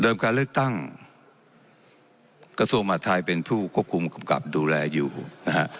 การเลือกตั้งกระทรวงมหาทัยเป็นผู้ควบคุมกำกับดูแลอยู่นะฮะ